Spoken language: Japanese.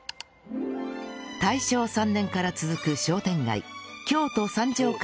大正３年から続く商店街